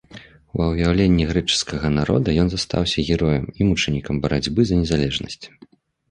Ва ўяўленні грэчаскага народа ён застаўся героем і мучанікам барацьбы за незалежнасць.